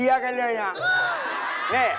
นี่ฉันจะบอกให้ฟังนะ